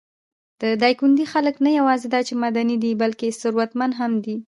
د دايکندي خلک نه یواځې دا چې معدني دي، بلکې ثروتمنده هم دي.